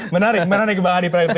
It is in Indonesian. menarik menarik bang hadi praditya